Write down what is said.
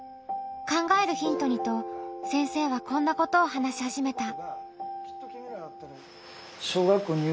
考えるヒントにと先生はこんなことを話しはじめた。